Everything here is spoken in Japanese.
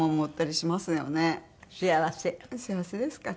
幸せですかね？